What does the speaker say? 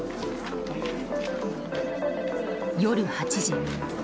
夜８時。